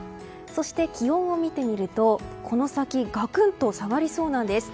そして気温を見てみるとこの先ガクンと下がりそうなんです。